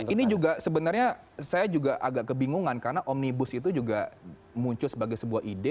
ini juga sebenarnya saya juga agak kebingungan karena omnibus itu juga muncul sebagai sebuah ide